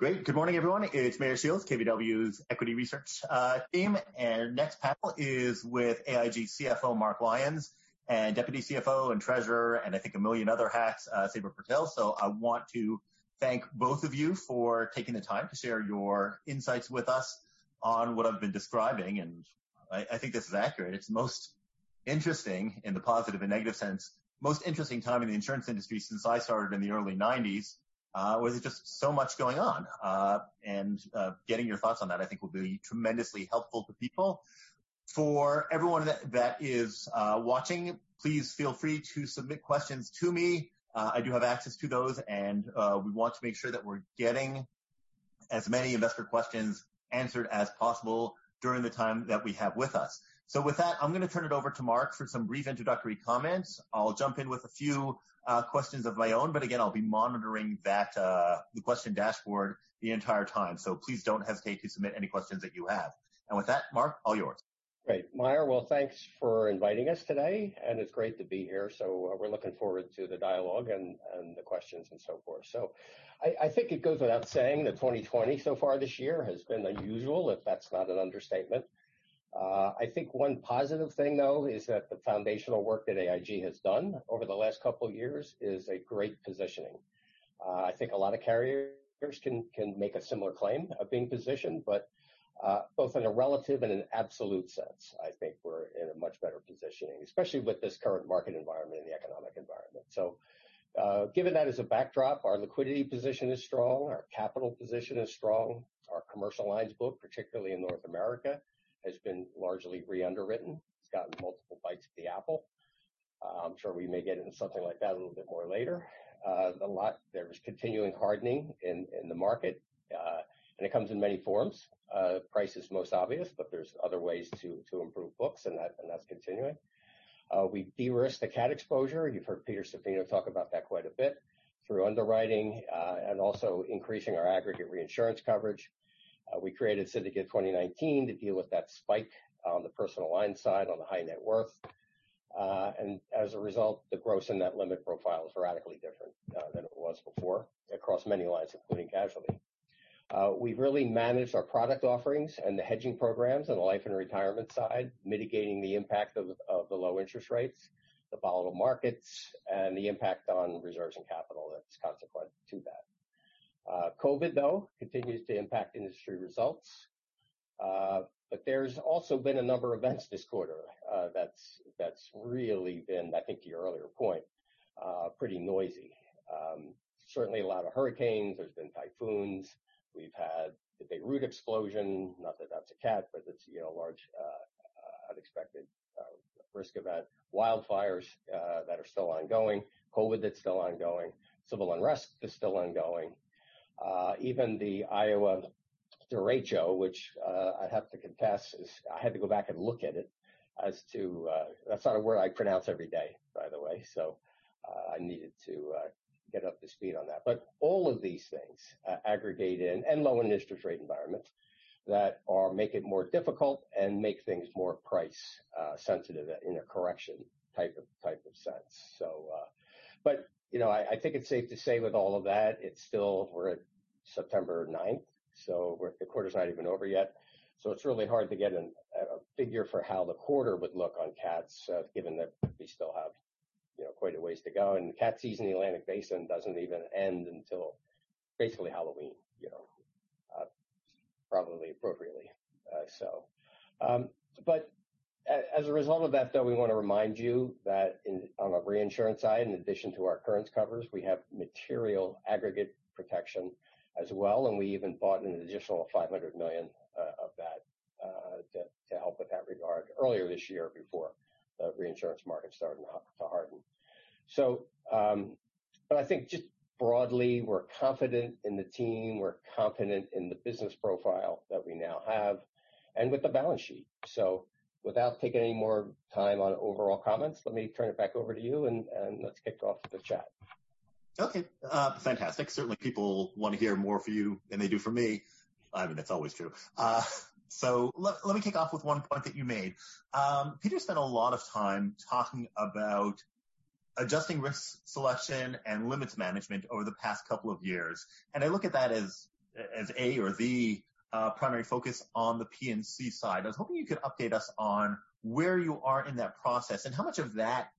Great. Good morning, everyone. It's Meyer Shields, KBW's equity research team. Our next panel is with AIG CFO, Mark Lyons, and Deputy CFO and Treasurer, and I think a million other hats, Sabra Purtill. I want to thank both of you for taking the time to share your insights with us on what I've been describing, and I think this is accurate. It's the most interesting, in the positive and negative sense, most interesting time in the insurance industry since I started in the early '90s, where there's just so much going on. Getting your thoughts on that, I think, will be tremendously helpful to people. For everyone that is watching, please feel free to submit questions to me. I do have access to those. We want to make sure that we're getting as many investor questions answered as possible during the time that we have with us. With that, I'm going to turn it over to Mark for some brief introductory comments. I'll jump in with a few questions of my own, but again, I'll be monitoring the question dashboard the entire time. Please don't hesitate to submit any questions that you have. With that, Mark, all yours. Great. Meyer, well, thanks for inviting us today. It's great to be here. We're looking forward to the dialogue and the questions and so forth. I think it goes without saying that 2020 so far this year has been unusual, if that's not an understatement. I think one positive thing, though, is that the foundational work that AIG has done over the last couple of years is a great positioning. I think a lot of carriers can make a similar claim of being positioned, but both in a relative and an absolute sense, I think we're in a much better positioning, especially with this current market environment and the economic environment. Given that as a backdrop, our liquidity position is strong, our capital position is strong, our commercial lines book, particularly in North America, has been largely re-underwritten. It's gotten multiple bites at the apple. I'm sure we may get into something like that a little bit more later. There's continuing hardening in the market. It comes in many forms. Price is most obvious, but there's other ways to improve books. That's continuing. We de-risked the cat exposure. You've heard Peter Zaffino talk about that quite a bit through underwriting and also increasing our aggregate reinsurance coverage. We created Syndicate 2019 to deal with that spike on the personal line side on the high net worth. As a result, the gross and net limit profile is radically different than it was before across many lines, including casualty. We've really managed our product offerings and the hedging programs on the life and retirement side, mitigating the impact of the low interest rates, the volatile markets, and the impact on reserves and capital that's consequent to that. COVID, though, continues to impact industry results. There's also been a number of events this quarter that's really been, I think to your earlier point, pretty noisy. Certainly a lot of hurricanes. There's been typhoons. We've had the Beirut explosion, not that that's a cat, but it's a large unexpected risk event. Wildfires that are still ongoing, COVID that's still ongoing, civil unrest is still ongoing. Even the Iowa derecho, which I have to confess is, I had to go back and look at it as to, that's not a word I pronounce every day, by the way, so I needed to get up to speed on that. All of these things aggregated and low interest rate environments that make it more difficult and make things more price sensitive in a correction type of sense. I think it's safe to say with all of that, we're at September 9th, so the quarter's not even over yet. It's really hard to get a figure for how the quarter would look on cats, given that we still have quite a ways to go, and cat season in the Atlantic Basin doesn't even end until basically Halloween, probably appropriately. As a result of that, though, we want to remind you that on the reinsurance side, in addition to our current covers, we have material aggregate protection as well, and we even bought an additional $500 million of that to help with that regard earlier this year before the reinsurance market started to harden. I think just broadly, we're confident in the team, we're confident in the business profile that we now have, and with the balance sheet. Without taking any more time on overall comments, let me turn it back over to you, and let's kick off the chat. Okay, fantastic. Certainly, people want to hear more from you than they do from me. I mean, that's always true. Let me kick off with one point that you made. Peter spent a lot of time talking about adjusting risk selection and limits management over the past couple of years, and I look at that as A, or the primary focus on the P&C side. I was hoping you could update us on where you are in that process and how much of that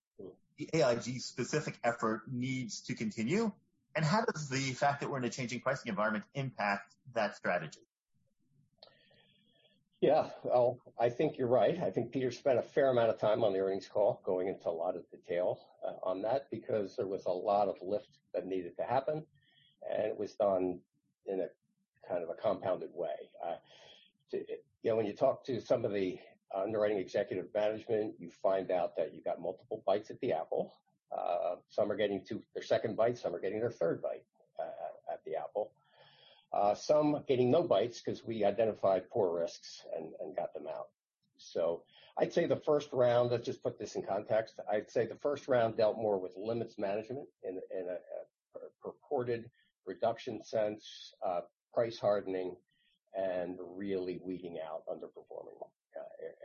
AIG specific effort needs to continue, and how does the fact that we're in a changing pricing environment impact that strategy? Yeah. Well, I think you're right. I think Peter spent a fair amount of time on the earnings call going into a lot of detail on that because there was a lot of lift that needed to happen, and it was done in a kind of a compounded way. When you talk to some of the underwriting executive management, you find out that you got multiple bites at the apple. Some are getting their second bite, some are getting their third bite at the apple. Some getting no bites because we identified poor risks and got them out. I'd say the first round, let's just put this in context. I'd say the first round dealt more with limits management in a purported reduction sense, price hardening, and really weeding out underperforming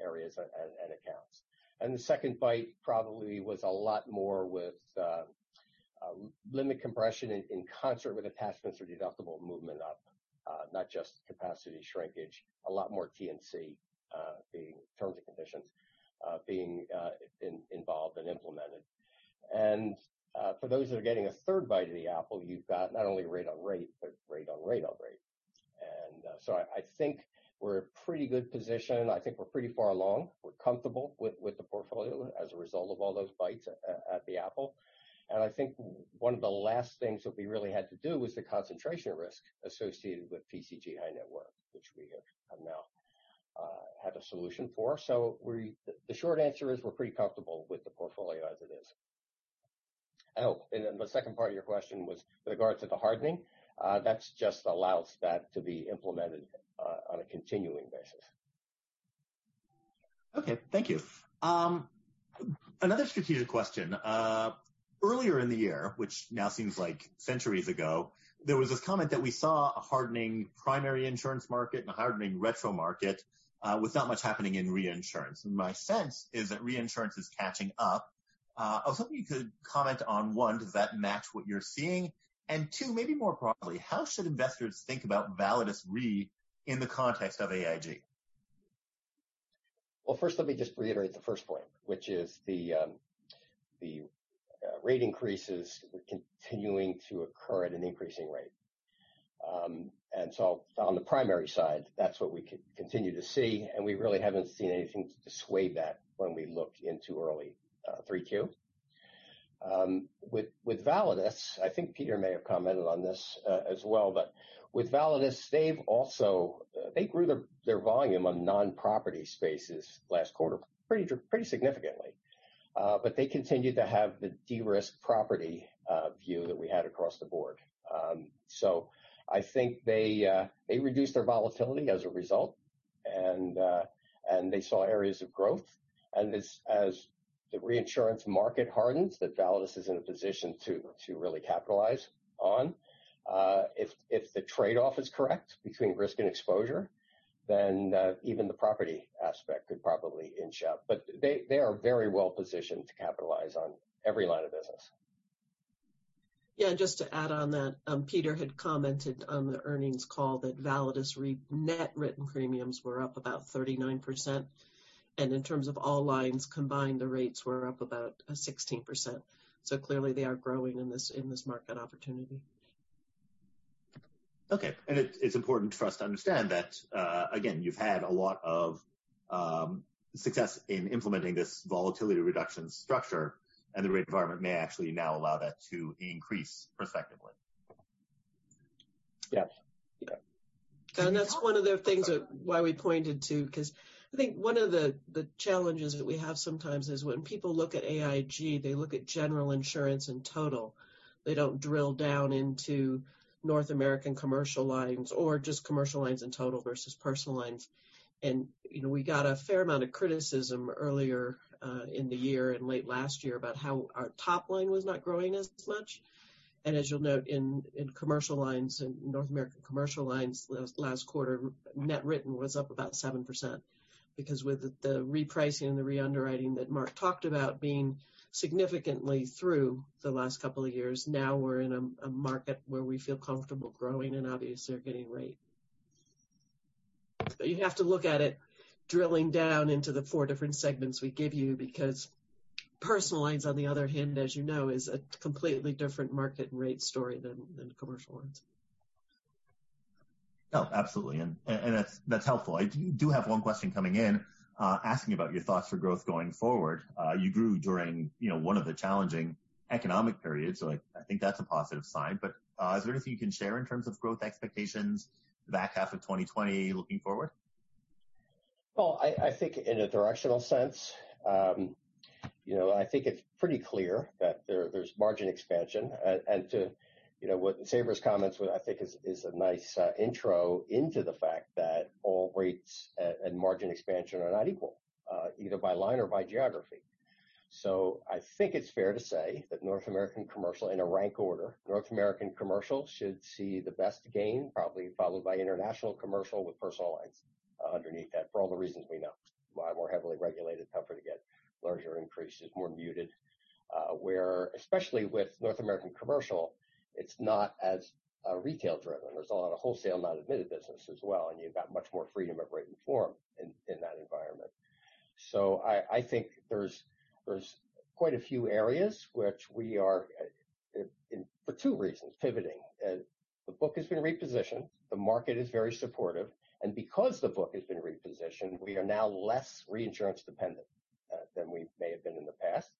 areas and accounts. The second bite probably was a lot more with limit compression in concert with attachments or deductible movement up, not just capacity shrinkage. A lot more T&C, being terms and conditions, being involved and implemented. For those that are getting a third bite of the apple, you've got not only rate on rate, but rate on rate on rate. I think we're in a pretty good position. I think we're pretty far along. We're comfortable with the portfolio as a result of all those bites at the apple. I think one of the last things that we really had to do was the concentration risk associated with PCG High Net Worth, which we have now had a solution for. The short answer is we're pretty comfortable with the portfolio as it is. The second part of your question was with regards to the hardening. That just allows that to be implemented on a continuing basis. Okay. Thank you. Another strategic question. Earlier in the year, which now seems like centuries ago, there was this comment that we saw a hardening primary insurance market and a hardening retro market, with not much happening in reinsurance. My sense is that reinsurance is catching up. I was hoping you could comment on, one, does that match what you're seeing? And two, maybe more broadly, how should investors think about Validus Re in the context of AIG? First, let me just reiterate the first point, which is the rate increases are continuing to occur at an increasing rate. On the primary side, that's what we continue to see, and we really haven't seen anything to dissuade that when we looked into early 3Q. With Validus, I think Peter may have commented on this as well, but with Validus, they grew their volume on non-property spaces last quarter pretty significantly. They continued to have the de-risk property view that we had across the board. I think they reduced their volatility as a result, and they saw areas of growth. As the reinsurance market hardens, Validus is in a position to really capitalize on. If the trade-off is correct between risk and exposure, then even the property aspect could probably inch up. They are very well-positioned to capitalize on every line of business. Just to add on that, Peter had commented on the earnings call that Validus Re net written premiums were up about 39%, and in terms of all lines combined, the rates were up about 16%. Clearly they are growing in this market opportunity. It's important for us to understand that, again, you've had a lot of success in implementing this volatility reduction structure, the rate environment may actually now allow that to increase prospectively. Yes. That's one of the things why we pointed to, because I think one of the challenges that we have sometimes is when people look at AIG, they look at General Insurance in total. They don't drill down into North American Commercial Lines or just Commercial Lines in total versus Personal Lines. We got a fair amount of criticism earlier in the year and late last year about how our top line was not growing as much. As you'll note in Commercial Lines, in North American Commercial Lines, last quarter, net written was up about 7%. With the repricing and the re-underwriting that Mark talked about being significantly through the last couple of years, now we're in a market where we feel comfortable growing and obviously are getting rate. You have to look at it drilling down into the four different segments we give you, because Personal Lines, on the other hand, as you know, is a completely different market and rate story than Commercial Lines. Oh, absolutely. That's helpful. I do have one question coming in, asking about your thoughts for growth going forward. You grew during one of the challenging economic periods, so I think that's a positive sign. Is there anything you can share in terms of growth expectations the back half of 2020 looking forward? Well, I think in a directional sense, I think it's pretty clear that there's margin expansion. To what Sabra's comments were, I think is a nice intro into the fact that all rates and margin expansion are not equal, either by line or by geography. I think it's fair to say that North American Commercial, in a rank order, North American Commercial should see the best gain, probably followed by International Commercial with Personal Lines underneath that, for all the reasons we know. A lot more heavily regulated, tougher to get larger increases, more muted. Where, especially with North American Commercial, it's not as retail-driven. There's a lot of wholesale non-admitted business as well, and you've got much more freedom of rate and form in that environment. I think there's quite a few areas which we are, for two reasons, pivoting. The book has been repositioned. Because the book has been repositioned, we are now less reinsurance-dependent than we may have been in the past.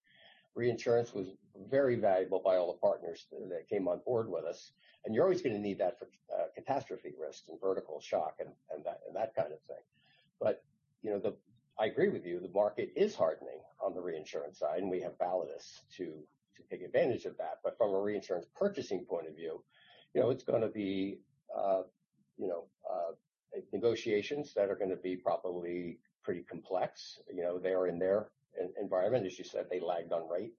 Reinsurance was very valuable by all the partners that came on board with us, and you're always going to need that for catastrophe risks and vertical shock and that kind of thing. I agree with you, the market is hardening on the reinsurance side, and we have Validus to take advantage of that. From a reinsurance purchasing point of view, it's going to be negotiations that are going to be probably pretty complex. They are in their environment. As you said, they lagged on rate.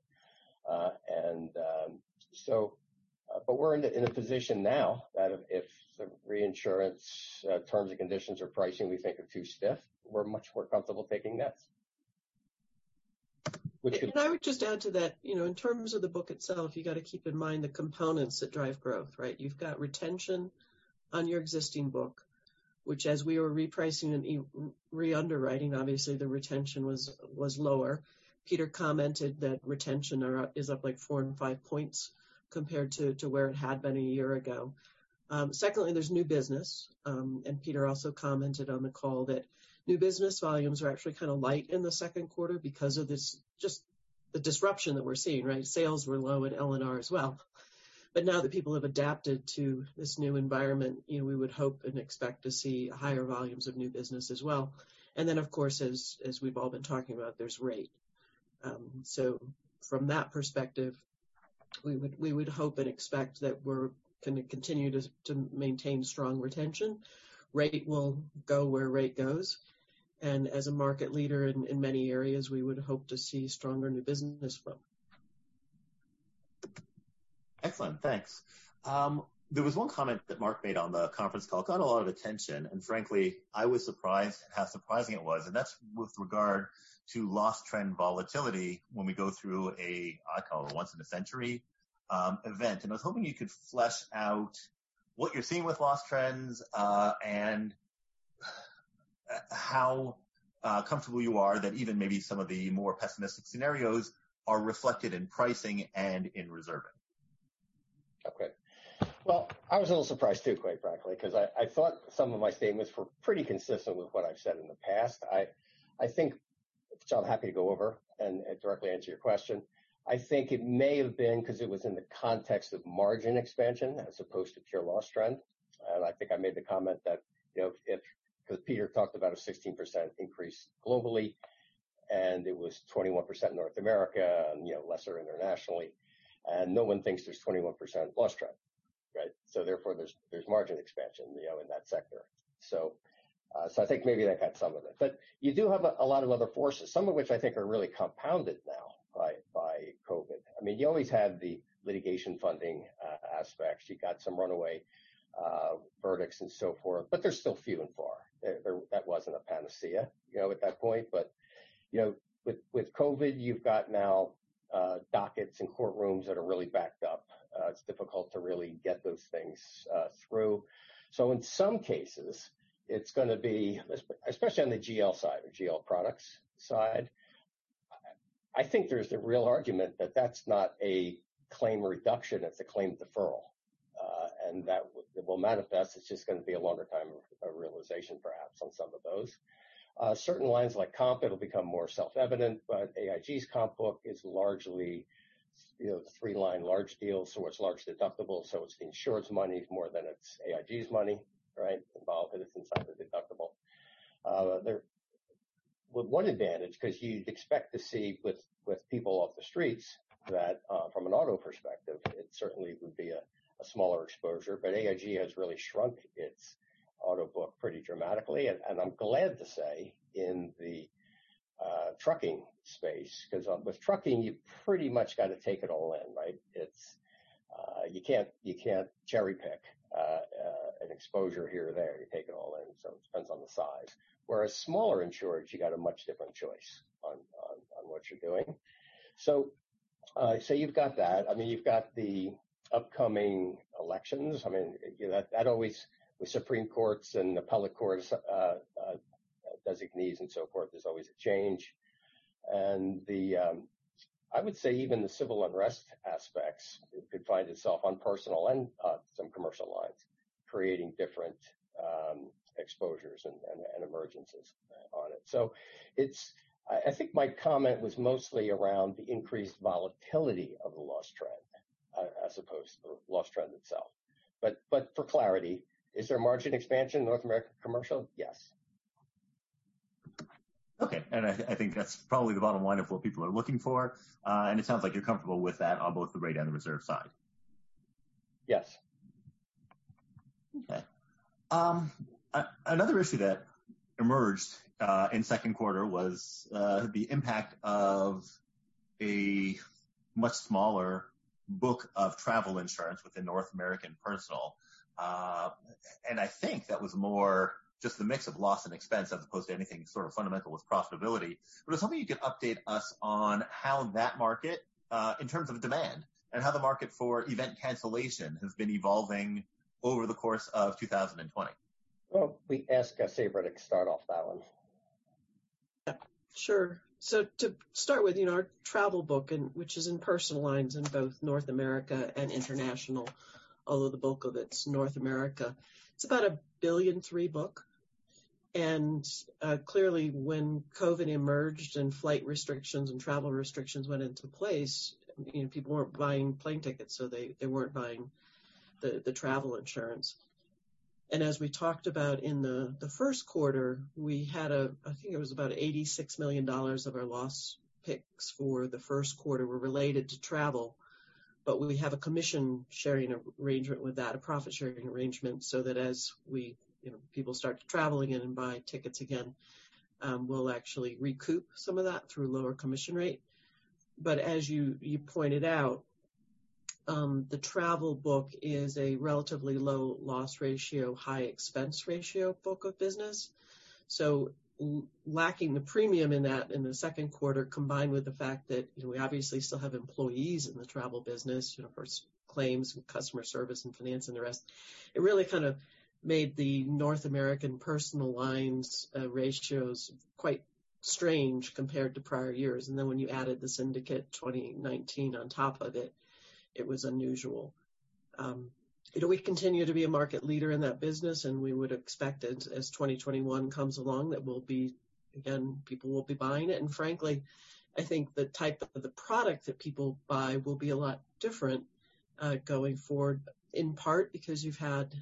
We're in a position now that if the reinsurance terms and conditions or pricing we think are too stiff, we're much more comfortable taking that. I would just add to that, in terms of the book itself, you got to keep in mind the components that drive growth, right? You've got retention on your existing book, which as we were repricing and re-underwriting, obviously the retention was lower. Peter commented that retention is up four and five points compared to where it had been a year ago. Secondly, there's new business. Peter also commented on the call that new business volumes are actually kind of light in the second quarter because of this, just the disruption that we're seeing, right? Sales were low at L&R as well. Now that people have adapted to this new environment, we would hope and expect to see higher volumes of new business as well. Then, of course, as we've all been talking about, there's rate. From that perspective, we would hope and expect that we're going to continue to maintain strong retention. Rate will go where rate goes. As a market leader in many areas, we would hope to see stronger new business as well. Excellent. Thanks. There was one comment that Mark made on the conference call, it got a lot of attention, and frankly, I was surprised at how surprising it was, and that's with regard to loss trend volatility when we go through a, I call it a once-in-a-century event. I was hoping you could flesh out what you're seeing with loss trends, and how comfortable you are that even maybe some of the more pessimistic scenarios are reflected in pricing and in reserving. Okay. Well, I was a little surprised too, quite frankly, because I thought some of my statements were pretty consistent with what I've said in the past. Which I'm happy to go over and directly answer your question. I think it may have been because it was in the context of margin expansion as opposed to pure loss trend. I think I made the comment that, because Peter talked about a 16% increase globally, and it was 21% in North America and lesser internationally, and no one thinks there's 21% loss trend, right? Therefore there's margin expansion in that sector. I think maybe that had some of it. You do have a lot of other forces, some of which I think are really compounded now by COVID. You always had the litigation funding aspect. You got some runaway verdicts and so forth, but they're still few and far. That wasn't a panacea at that point. With COVID, you've got now dockets and courtrooms that are really backed up. It's difficult to really get those things through. In some cases, it's going to be, especially on the GL side or GL products side, I think there's the real argument that that's not a claim reduction, it's a claim deferral. That it will manifest, it's just going to be a longer time of realization perhaps on some of those. Certain lines like comp, it'll become more self-evident, but AIG's comp book is largely the three-line large deals, so it's large deductible, so it's the insurance money more than it's AIG's money involved, and it's inside the deductible. One advantage, because you'd expect to see with people off the streets that, from an auto perspective, it certainly would be a smaller exposure, but AIG has really shrunk its auto book pretty dramatically. I'm glad to say in the trucking space, because with trucking, you pretty much got to take it all in, right? You can't cherry-pick an exposure here or there. You take it all in. It depends on the size. Whereas smaller insurers, you got a much different choice on what you're doing. You've got that. You've got the upcoming elections. With Supreme Courts and appellate courts, designees, and so forth, there's always a change. I would say even the civil unrest aspects could find itself on personal and some commercial lines, creating different exposures and emergences on it. I think my comment was mostly around the increased volatility of the loss trend as opposed to the loss trend itself. For clarity, is there a margin expansion in North America commercial? Yes. Okay. I think that's probably the bottom line of what people are looking for. It sounds like you're comfortable with that on both the rate and the reserve side. Yes. Okay. Another issue that emerged in second quarter was the impact of a much smaller book of travel insurance within North American Personal. I think that was more just the mix of loss and expense as opposed to anything sort of fundamental with profitability. I was hoping you could update us on how that market, in terms of demand, and how the market for event cancellation has been evolving over the course of 2020. Well, I'll say ready to start off that one. Sure. To start with, our travel book, which is in personal lines in both North America and international, although the bulk of it's North America. It's about a $1.3 billion book. Clearly when COVID emerged and flight restrictions and travel restrictions went into place, people weren't buying plane tickets, so they weren't buying the travel insurance. As we talked about in the first quarter, we had, I think it was about $86 million of our loss picks for the first quarter were related to travel. We have a commission sharing arrangement with that, a profit-sharing arrangement, so that as people start traveling and buying tickets again, we'll actually recoup some of that through lower commission rate. As you pointed out, the travel book is a relatively low loss ratio, high expense ratio book of business. Lacking the premium in that in the second quarter, combined with the fact that we obviously still have employees in the travel business, of course, claims and customer service and finance and the rest, it really kind of made the North American personal lines ratios quite strange compared to prior years. When you added the Syndicate 2019 on top of it was unusual. We continue to be a market leader in that business, and we would expect as 2021 comes along, that again, people will be buying it. Frankly, I think the type of the product that people buy will be a lot different, going forward, in part because you've had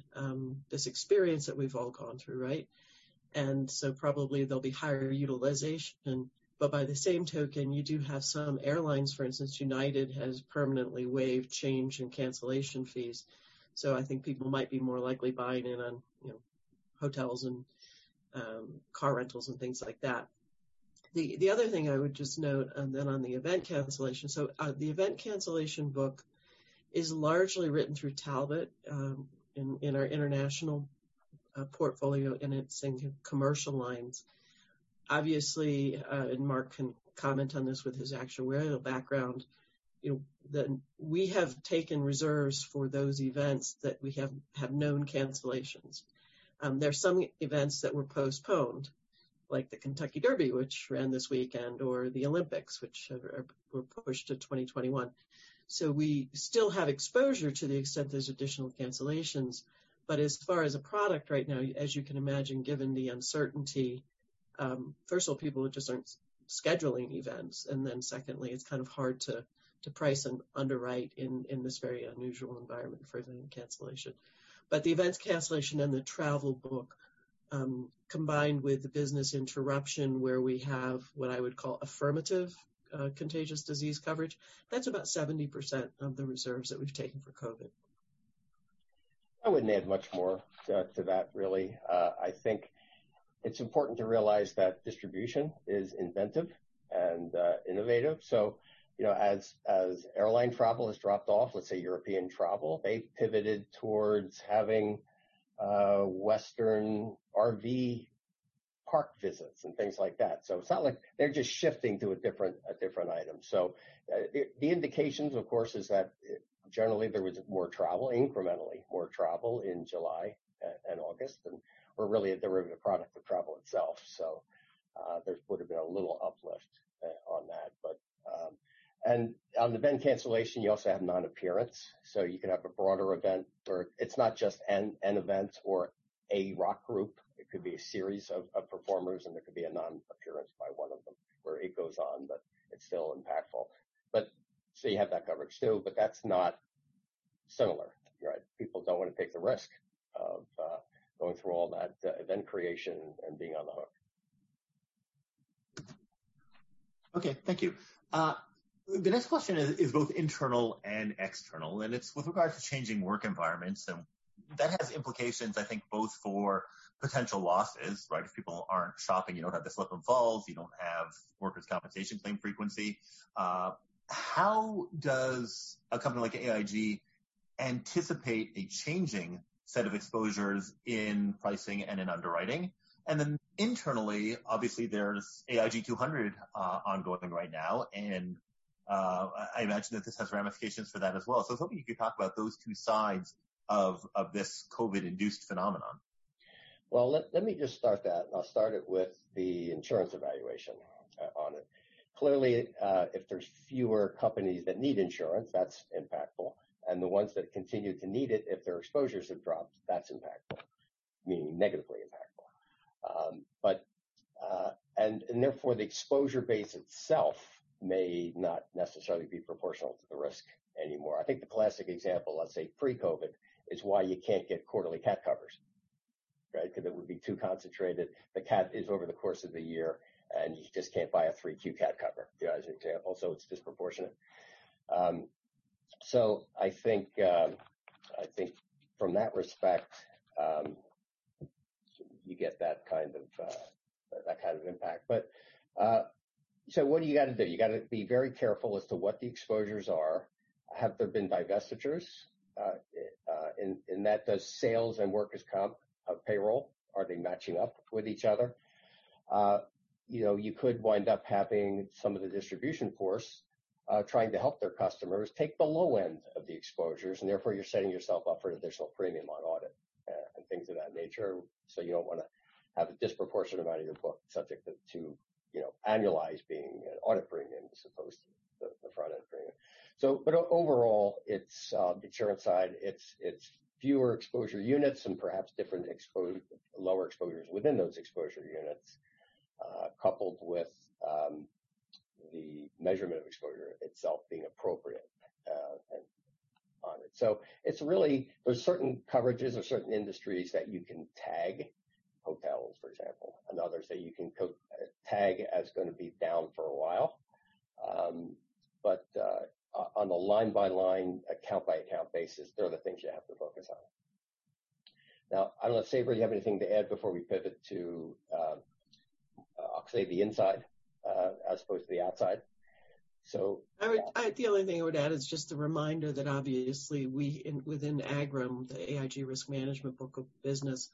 this experience that we've all gone through, right? Probably there'll be higher utilization. By the same token, you do have some airlines, for instance, United has permanently waived change and cancellation fees. I think people might be more likely buying in on hotels and car rentals and things like that. The other thing I would just note then on the event cancellation, the event cancellation book is largely written through Talbot in our international portfolio and its commercial lines. Obviously, and Mark can comment on this with his actuarial background, that we have taken reserves for those events that we have known cancellations. There are some events that were postponed, like the Kentucky Derby, which ran this weekend, or the Olympics, which were pushed to 2021. We still have exposure to the extent there's additional cancellations. As far as a product right now, as you can imagine, given the uncertainty, first of all, people just aren't scheduling events. Secondly, it's kind of hard to price and underwrite in this very unusual environment for event cancellation. The events cancellation and the travel book, combined with the business interruption where we have what I would call affirmative contagious disease coverage, that's about 70% of the reserves that we've taken for COVID. I wouldn't add much more to that really. I think it's important to realize that distribution is inventive and innovative. As airline travel has dropped off, let's say European travel, they pivoted towards having Western RV park visits and things like that. They're just shifting to a different item. The indications of course, is that generally there was more travel, incrementally more travel in July and August, and we're really a derivative product of travel itself. There would've been a little uplift on that. On event cancellation, you also have non-appearance, so you could have a broader event where it's not just an event or a rock group. It could be a series of performers, and there could be a non-appearance by one of them where it goes on, but it's still impactful. You have that coverage too, but that's not similar, right? People don't want to take the risk of going through all that event creation and being on the hook. Okay. Thank you. The next question is both internal and external, and it's with regards to changing work environments. That has implications, I think, both for potential losses, right? If people aren't shopping, you don't have the slip and falls. You don't have workers' compensation claim frequency. How does a company like AIG anticipate a changing set of exposures in pricing and in underwriting? Then internally, obviously there's AIG 200 ongoing right now, and I imagine that this has ramifications for that as well. I was hoping you could talk about those two sides of this COVID-induced phenomenon. Well, let me just start that, and I'll start it with the insurance evaluation on it. Clearly, if there's fewer companies that need insurance, that's impactful, and the ones that continue to need it, if their exposures have dropped, that's impactful, meaning negatively impactful. Therefore, the exposure base itself may not necessarily be proportional to the risk anymore. I think the classic example, let's say pre-COVID, is why you can't get quarterly cat covers, right? Because it would be too concentrated. The cat is over the course of the year, and you just can't buy a 3Q cat cover, as an example. It's disproportionate. I think from that respect, you get that kind of impact. What do you got to do? You got to be very careful as to what the exposures are. Have there been divestitures? In that, does sales and workers' comp payroll, are they matching up with each other? You could wind up having some of the distribution force trying to help their customers take the low end of the exposures, and therefore you're setting yourself up for an additional premium on audit and things of that nature. You don't want to have a disproportionate amount of your book subject to annualized being an audit premium as opposed to the front-end premium. Overall, insurance side, it's fewer exposure units and perhaps lower exposures within those exposure units, coupled with the measurement of exposure itself being appropriate. There's certain coverages or certain industries that you can tag, hotels, for example, and others that you can tag as going to be down for a while. On the line-by-line, account-by-account basis, they're the things you have to focus on. I don't know, Sabra, you have anything to add before we pivot to, I'll say, the inside as opposed to the outside? The only thing I would add is just a reminder that obviously within AGRM, the AIG Risk Management book of business,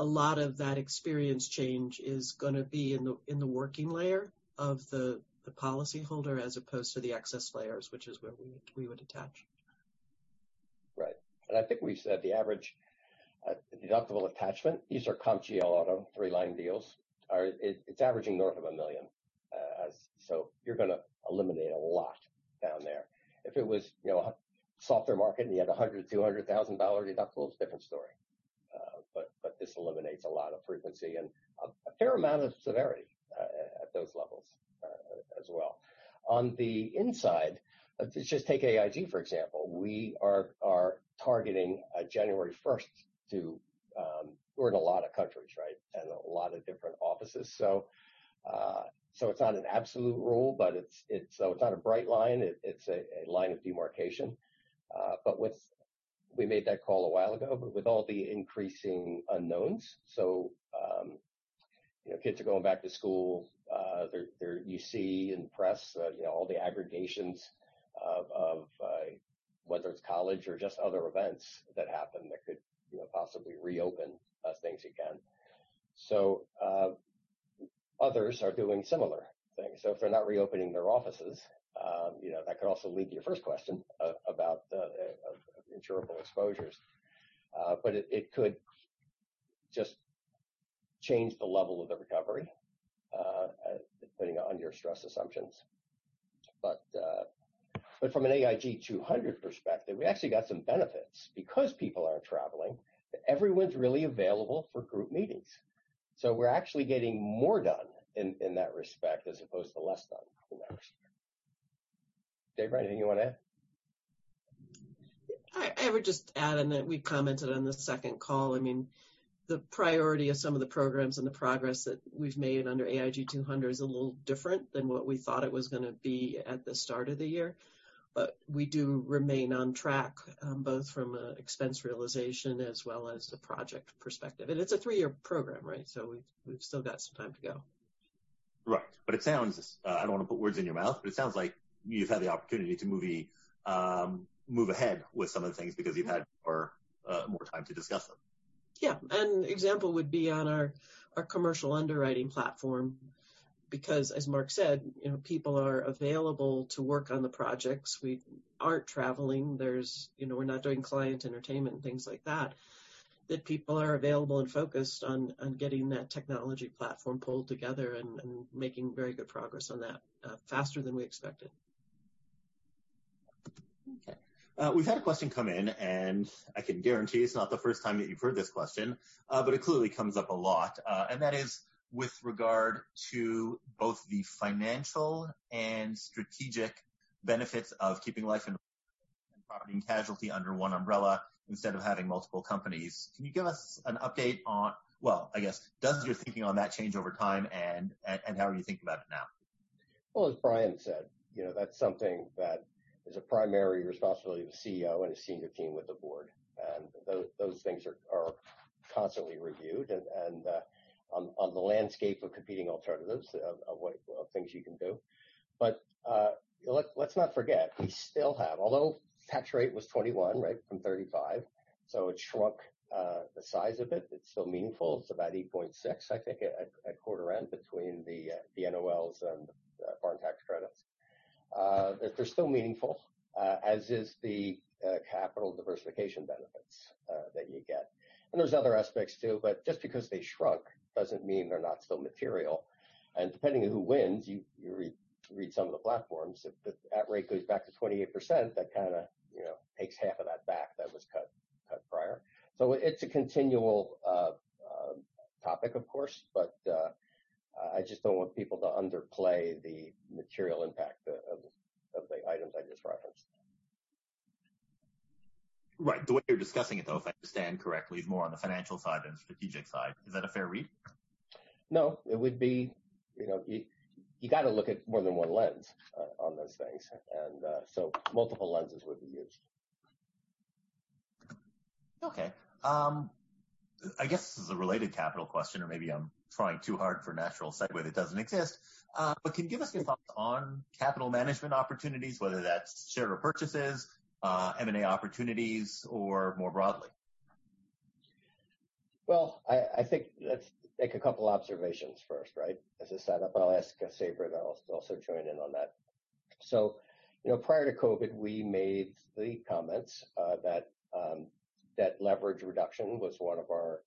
a lot of that experience change is going to be in the working layer of the policyholder as opposed to the excess layers, which is where we would attach. Right. I think we said the average deductible attachment, these are comp GL auto three-line deals, it's averaging north of $1 million. You're going to eliminate a lot down there. If it was a softer market and you had $100,000, $200,000 deductibles, different story. This eliminates a lot of frequency and a fair amount of severity at those levels as well. On the inside, just take AIG, for example. We are targeting January 1st. We're in a lot of countries, right? A lot of different offices. It's not an absolute rule, it's not a bright line. It's a line of demarcation. We made that call a while ago, with all the increasing unknowns, kids are going back to school, you see in press all the aggregations of whether it's college or just other events that happen that could possibly reopen things again. Others are doing similar things. If they're not reopening their offices, that could also lead to your first question about insurable exposures. It could just change the level of the recovery, depending on your stress assumptions. From an AIG 200 perspective, we actually got some benefits because people aren't traveling, everyone's really available for group meetings. We're actually getting more done in that respect, as opposed to less done in that respect. Sabra, anything you want to add? I would just add, we commented on the second call, the priority of some of the programs and the progress that we've made under AIG 200 is a little different than what we thought it was going to be at the start of the year. We do remain on track, both from an expense realization as well as the project perspective. It's a three-year program, right? We've still got some time to go. Right. I don't want to put words in your mouth, it sounds like you've had the opportunity to move ahead with some of the things because you've had more time to discuss them. Yeah. An example would be on our commercial underwriting platform, because as Mark said, people are available to work on the projects. We aren't traveling. We're not doing client entertainment and things like that people are available and focused on getting that technology platform pulled together and making very good progress on that, faster than we expected. Okay. We've had a question come in, I can guarantee it's not the first time that you've heard this question, it clearly comes up a lot. That is with regard to both the financial and strategic benefits of keeping life and property and casualty under one umbrella instead of having multiple companies. Well, I guess, does your thinking on that change over time, and how are you thinking about it now? As Brian said, that's something that is a primary responsibility of the CEO and his senior team with the board. Those things are constantly reviewed and on the landscape of competing alternatives of things you can do. Let's not forget, we still have, although tax rate was 21, right, from 35, so it shrunk the size of it. It's still meaningful. It's about 8.6, I think, at quarter end between the NOLs and foreign tax credits. They're still meaningful, as is the capital diversification benefits that you get. There's other aspects, too, but just because they shrunk doesn't mean they're not still material. Depending on who wins, you read some of the platforms, if the at rate goes back to 28%, that kind of takes half of that back that was cut prior. It's a continual topic, of course, but I just don't want people to underplay the material impact of the items I just referenced. Right. The way you're discussing it, though, if I understand correctly, is more on the financial side than the strategic side. Is that a fair read? No. You got to look at more than one lens on those things. Multiple lenses would be used. Okay. I guess this is a related capital question, or maybe I'm trying too hard for a natural segue that doesn't exist. Can you give us your thoughts on capital management opportunities, whether that's share repurchases, M&A opportunities, or more broadly? Well, I think let's make a couple observations first, right, as a setup. I'll ask Sabra to also join in on that. Prior to COVID, we made the comments that leverage reduction was one of our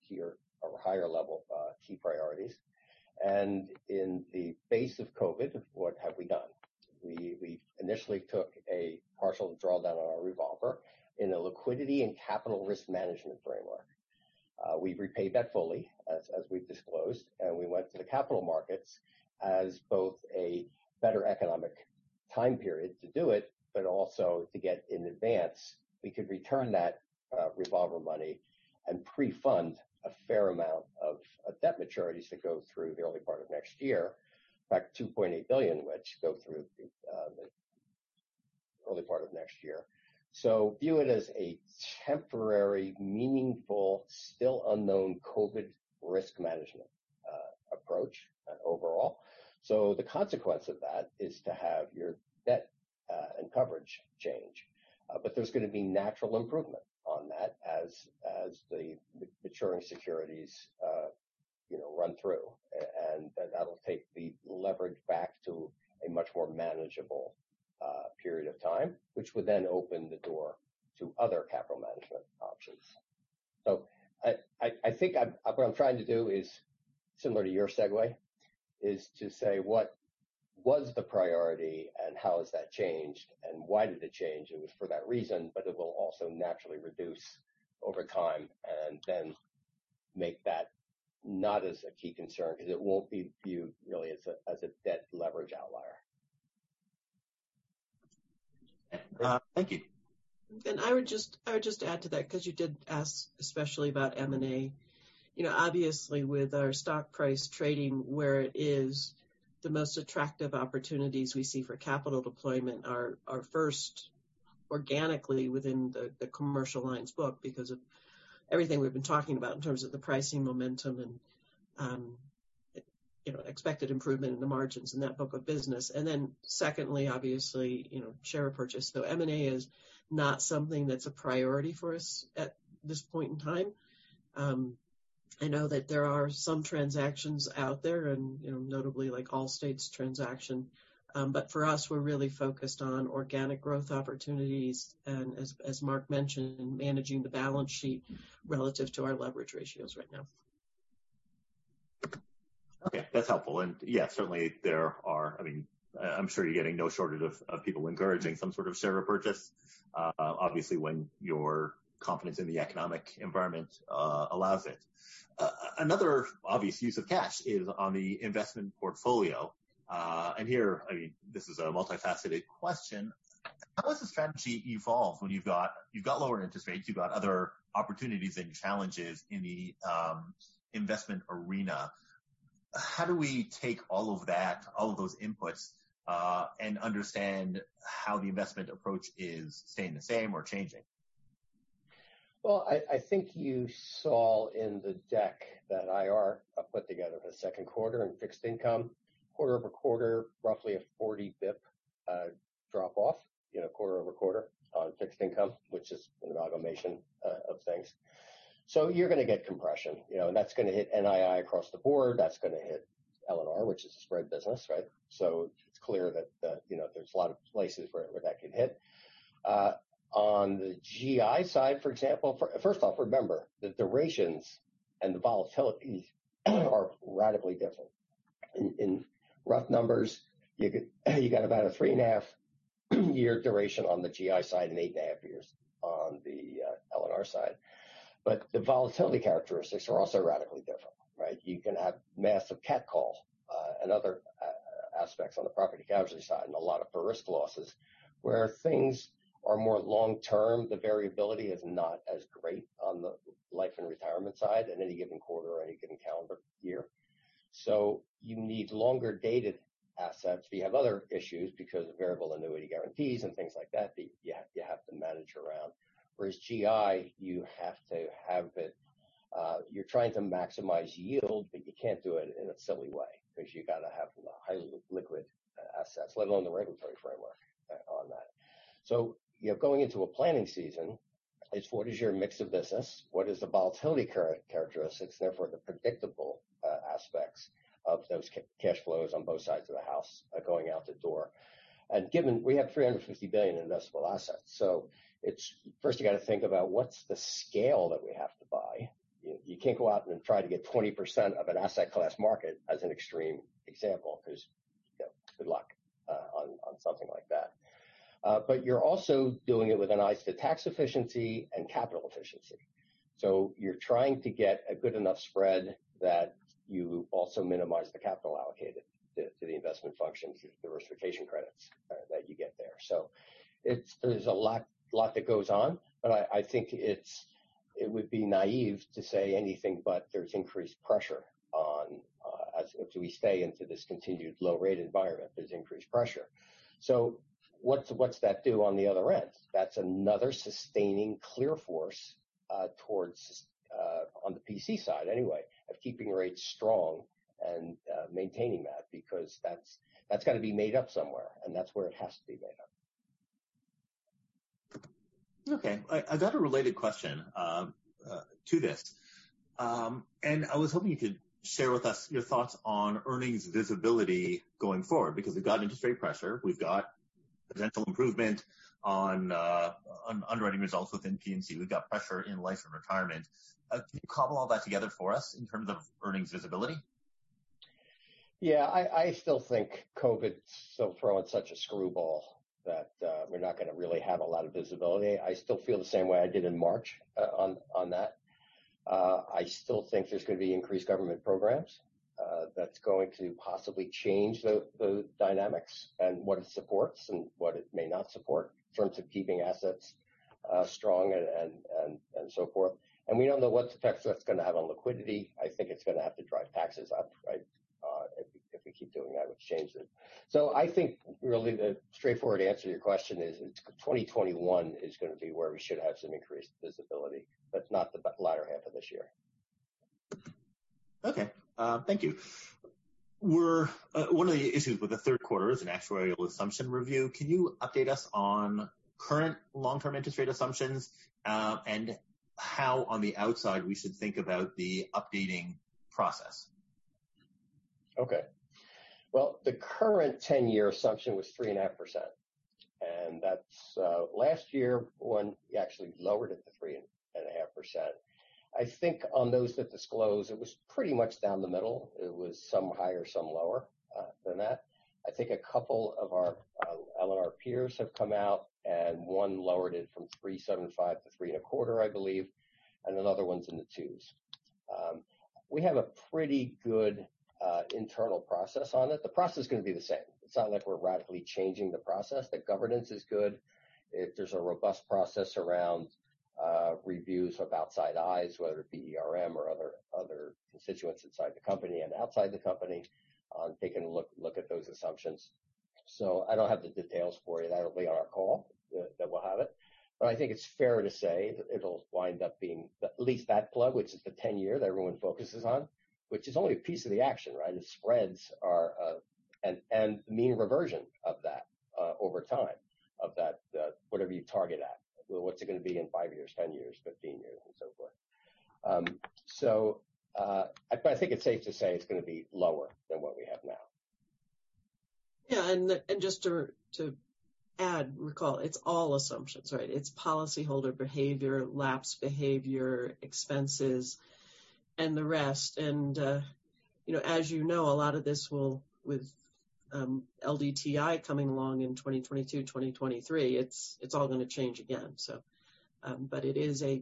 higher-level key priorities. In the face of COVID, what have we done? We initially took a partial drawdown on our revolver in a liquidity and capital risk management framework. We've repaid debt fully, as we've disclosed, and we went to the capital markets as both a better economic time period to do it, but also to get in advance. We could return that revolver money and pre-fund a fair amount of debt maturities that go through the early part of next year, like $2.8 billion, which go through the early part of next year. View it as a temporary, meaningful, still unknown COVID risk management approach overall. The consequence of that is to have your debt and coverage change. There's going to be natural improvement on that as the maturing securities run through. That'll take the leverage back to a much more manageable period of time, which would then open the door to other capital management options. I think what I'm trying to do is similar to your segue, is to say what was the priority and how has that changed and why did it change? It was for that reason, but it will also naturally reduce over time and then make that not as a key concern because it won't be viewed really as a debt leverage outlier. Thank you. I would just add to that because you did ask especially about M&A. Obviously, with our stock price trading where it is, the most attractive opportunities we see for capital deployment are first organically within the Commercial Lines book because of everything we've been talking about in terms of the pricing momentum and expected improvement in the margins in that book of business. Then secondly, obviously, share purchase. M&A is not something that's a priority for us at this point in time. I know that there are some transactions out there and notably like Allstate's transaction. For us, we're really focused on organic growth opportunities and as Mark mentioned, managing the balance sheet relative to our leverage ratios right now. Okay. That's helpful. Yeah, certainly there are. I'm sure you're getting no shortage of people encouraging some sort of share purchase, obviously when your confidence in the economic environment allows it. Another obvious use of cash is on the investment portfolio. Here, this is a multifaceted question. How has the strategy evolved when you've got lower interest rates, you've got other opportunities and challenges in the investment arena? How do we take all of that, all of those inputs, and understand how the investment approach is staying the same or changing? I think you saw in the deck that IR put together for the second quarter in fixed income, quarter-over-quarter, roughly a 40 bps drop-off, quarter-over-quarter on fixed income, which is an amalgamation of things. You're going to get compression, and that's going to hit NII across the board, that's going to hit L&R, which is a spread business, right? It's clear that there's a lot of places where that could hit. On the GI side, for example, first off, remember, the durations and the volatilities are radically different. In rough numbers, you got about a three and a half year duration on the GI side and eight and a half years on the L&R side. The volatility characteristics are also radically different, right? You can have massive cat calls and other aspects on the property casualty side and a lot of risk losses. Where things are more long-term, the variability is not as great on the life and retirement side in any given quarter or any given calendar year. You need longer-dated assets. We have other issues because of variable annuity guarantees and things like that you have to manage around. Whereas GI, you have to have it, you're trying to maximize yield, you can't do it in a silly way because you got to have highly liquid assets, let alone the regulatory framework on that. Going into a planning season is what is your mix of business, what is the volatility characteristics, therefore the predictable aspects of those cash flows on both sides of the house going out the door? Given we have $350 billion investable assets, first you got to think about what's the scale that we have to buy. You can't go out and try to get 20% of an asset class market as an extreme example because good luck on something like that. You're also doing it with an eye to tax efficiency and capital efficiency. You're trying to get a good enough spread that you also minimize the capital allocated to the investment functions, the diversification credits that you get there. There's a lot that goes on, but I think it would be naive to say anything, but there's increased pressure on as we stay into this continued low-rate environment, there's increased pressure. What's that do on the other end? That's another sustaining clear force towards, on the P&C side anyway, of keeping rates strong and maintaining that because that's got to be made up somewhere, and that's where it has to be made up. Okay. I've got a related question to this. I was hoping you could share with us your thoughts on earnings visibility going forward, because we've got interest rate pressure, we've got potential improvement on underwriting results within P&C. We've got pressure in life and retirement. Can you cobble all that together for us in terms of earnings visibility? I still think COVID's still throwing such a screwball that we're not going to really have a lot of visibility. I still feel the same way I did in March on that. I still think there's going to be increased government programs. That's going to possibly change the dynamics and what it supports and what it may not support in terms of keeping assets strong and so forth. We don't know what effect that's going to have on liquidity. I think it's going to have to drive taxes up, right? If we keep doing that, which changes it. I think really the straightforward answer to your question is 2021 is going to be where we should have some increased visibility, but not the latter half of this year. Okay. Thank you. One of the issues with the third quarter is an actuarial assumption review. Can you update us on current long-term interest rate assumptions? How on the outside we should think about the updating process. Okay. Well, the current 10-year assumption was 3.5%. Last year when we actually lowered it to 3.5%. I think on those that disclose, it was pretty much down the middle. It was some higher, some lower than that. I think a couple of our L&R peers have come out, and one lowered it from 3.75%-3.25%, I believe, and another one's in the twos. We have a pretty good internal process on it. The process is going to be the same. It's not like we're radically changing the process. The governance is good. There's a robust process around reviews of outside eyes, whether it be ERM or other constituents inside the company and outside the company on taking a look at those assumptions. I don't have the details for you. That'll be on our call that we'll have it. I think it's fair to say that it'll wind up being at least that plug, which is the 10-year that everyone focuses on, which is only a piece of the action, right? The spreads are a mean reversion of that over time, of whatever you target at. What's it going to be in five years, 10 years, 15 years, and so forth. I think it's safe to say it's going to be lower than what we have now. Yeah, just to add, recall, it's all assumptions, right? It's policyholder behavior, lapse behavior, expenses, and the rest. As you know, a lot of this will, with LDTI coming along in 2022, 2023, it's all going to change again, so. It is a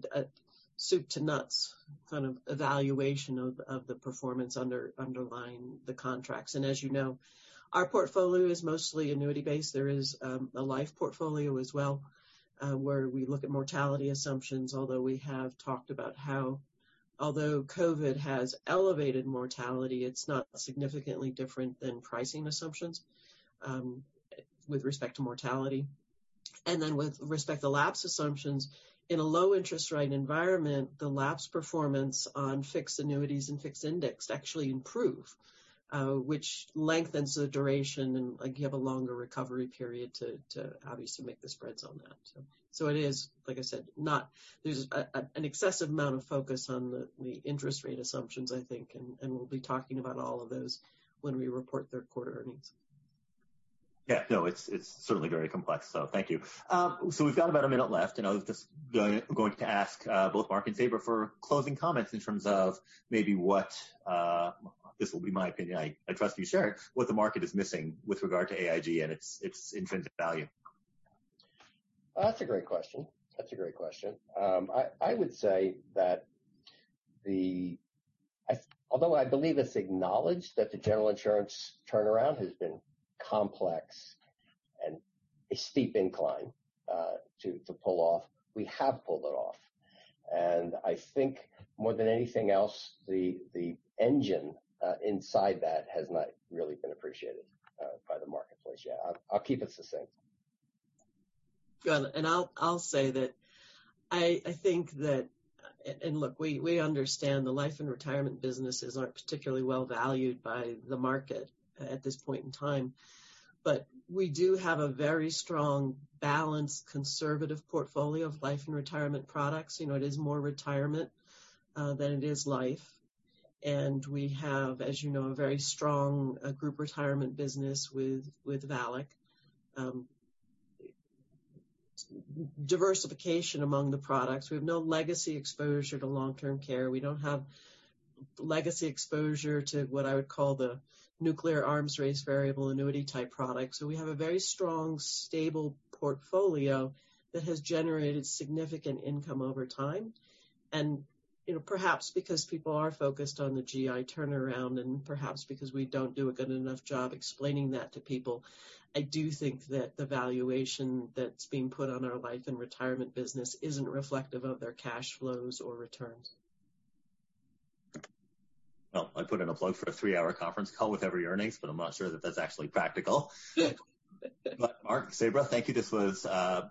soup to nuts kind of evaluation of the performance underlying the contracts. As you know, our portfolio is mostly annuity-based. There is a life portfolio as well where we look at mortality assumptions, although we have talked about how although COVID has elevated mortality, it's not significantly different than pricing assumptions with respect to mortality. With respect to lapse assumptions, in a low interest rate environment, the lapse performance on fixed annuities and fixed indexed actually improve which lengthens the duration and you have a longer recovery period to obviously make the spreads on that. It is, like I said, there's an excessive amount of focus on the interest rate assumptions, I think, and we'll be talking about all of those when we report third quarter earnings. Yeah, no, it's certainly very complex, so thank you. We've got about a minute left, and I was just going to ask both Mark and Sabra for closing comments in terms of maybe what, this will be my opinion, I trust you share it, what the market is missing with regard to AIG and its intrinsic value. That's a great question. I would say that although I believe it's acknowledged that the General Insurance turnaround has been complex and a steep incline to pull off, we have pulled it off. I think more than anything else, the engine inside that has not really been appreciated by the marketplace yet. I'll keep it succinct. Good. I'll say that I think that look, we understand the Life and Retirement businesses aren't particularly well valued by the market at this point in time. We do have a very strong, balanced, conservative portfolio of Life and Retirement products. It is more retirement than it is life. We have, as you know, a very strong group retirement business with VALIC. Diversification among the products. We have no legacy exposure to long-term care. We don't have legacy exposure to what I would call the nuclear arms race variable annuity type product. We have a very strong, stable portfolio that has generated significant income over time. Perhaps because people are focused on the GI turnaround and perhaps because we don't do a good enough job explaining that to people, I do think that the valuation that's being put on our life and retirement business isn't reflective of their cash flows or returns. I'd put in a plug for a three-hour conference call with every earnings, I'm not sure that that's actually practical. Mark, Sabra, thank you. This was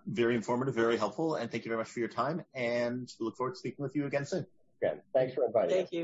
very informative, very helpful, and thank you very much for your time, and we look forward to speaking with you again soon. Okay. Thanks for inviting us. Thank you.